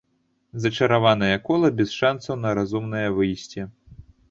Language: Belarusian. Зачараванае кола без шансаў на разумнае выйсце.